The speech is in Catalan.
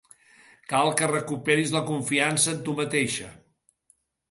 Cal que recuperis la confiança en tu mateixa.